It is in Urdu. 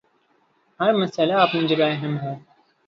ہر مسئلہ اپنی جگہ اہم ہے۔